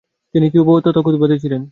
তিনি কিউবা তথা কুবাতে ছিলেন।